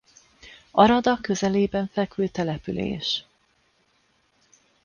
Arada közelében fekvő település.